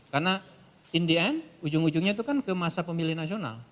karena in the end ujung ujungnya itu kan ke masa pemilih nasional